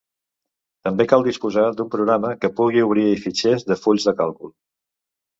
També cal disposar d'un programa que pugui obrir fitxers de fulls de càlcul.